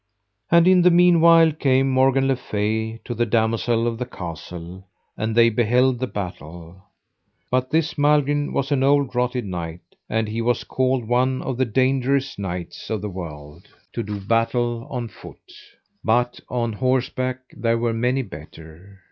And in the meanwhile came Morgan le Fay to the damosel of the castle, and they beheld the battle. But this Malgrin was an old roted knight, and he was called one of the dangerous knights of the world to do battle on foot, but on horseback there were many better.